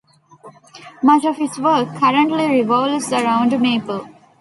Much of his work currently revolves around Maple.